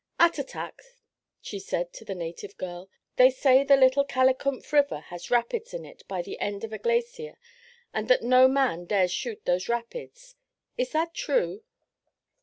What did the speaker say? "Attatak," she said to the native girl, "they say the Little Kalikumf River has rapids in it by the end of a glacier and that no man dares shoot those rapids. Is that true?"